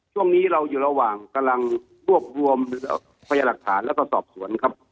ช่วงนี้เราอยู่ระหว่างกำลังรวบรวมพยาหลักฐานแล้วก็สอบสวนครับ